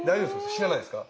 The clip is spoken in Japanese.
死なないですか？